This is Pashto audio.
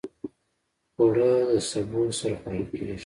اوړه د سبو سره خوړل کېږي